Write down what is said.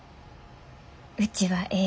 うちはええ